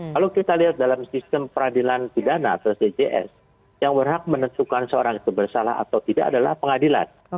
kalau kita lihat dalam sistem peradilan pidana atau cjs yang berhak menentukan seorang itu bersalah atau tidak adalah pengadilan